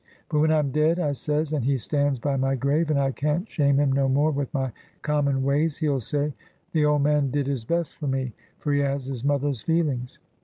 But when I'm dead,' I says, 'and he stands by my grave, and I can't shame him no more with my common ways, he'll say, "The old man did his best for me," for he has his mother's feelings.